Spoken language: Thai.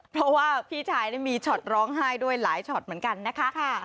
เพราะว่าพี่ชายมีช็อตร้องไห้ด้วยหลายช็อตเหมือนกันนะคะ